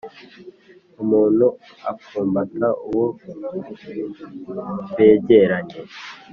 Umuntu apfumbata uwo begeranye.